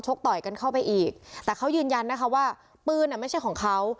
ต่อยกันเข้าไปอีกแต่เขายืนยันนะคะว่าปืนอ่ะไม่ใช่ของเขา